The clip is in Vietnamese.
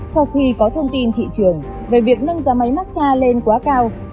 sau khi có thông tin thị trường về việc nâng giá máy mát xa lên quá cao